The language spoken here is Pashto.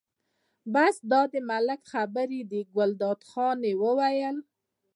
بس دا د ملک خبرې دي، ګلداد خان یې وویل.